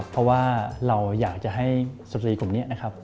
เพราะว่าเราอยากจะให้สติกลุ่มนี้